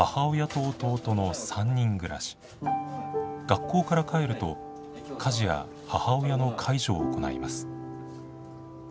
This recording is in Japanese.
学校から帰ると家事や母親の介助を行います。